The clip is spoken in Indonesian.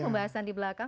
pembahasan di belakang